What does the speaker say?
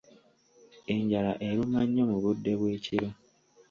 Enjala eruma nnyo mu budde bw'ekiro.